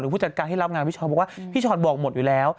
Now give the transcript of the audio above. ผู้จัดการให้รับงานพี่ชอตบอกว่าพี่ชอตบอกหมดอยู่แล้ว